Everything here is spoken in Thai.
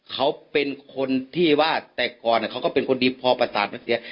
เขาเป็นคนที่ว่าแต่ก่อนเขาก็เป็นคนดีพอประสาทมันเสีย